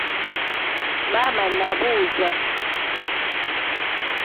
Maama n'abuuza.